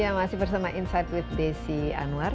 ya masih bersama insight with desi anwar